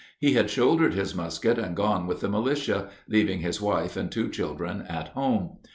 He had shouldered his musket and gone with the militia, leaving his wife and two children at home.